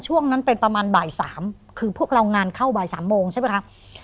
ช่วงนั้นเป็นประมาณบ่ายสามคือพวกเรางานเข้าบ่าย๓โมงใช่ไหมคะ